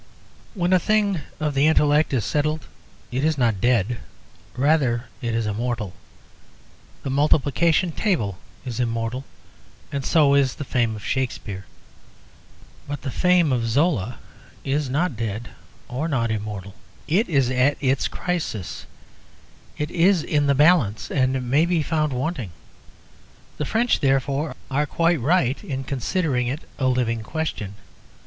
When a thing of the intellect is settled it is not dead: rather it is immortal. The multiplication table is immortal, and so is the fame of Shakspere. But the fame of Zola is not dead or not immortal; it is at its crisis, it is in the balance; and may be found wanting. The French, therefore, are quite right in considering it a living question.